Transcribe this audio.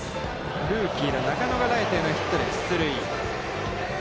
ルーキーの中野がライトへのヒットで出塁。